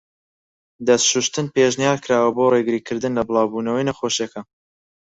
دەست شووشتن پێشنیارکراوە بۆ ڕێگری کردن لە بڵاو بوونەوەی نەخۆشیەکە.